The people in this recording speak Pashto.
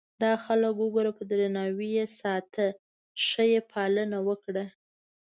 دا خلک وګوره په درناوي یې ساته ښه یې پالنه وکړه.